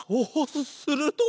すするどい！